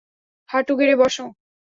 হাঁটু গেড়ে বস!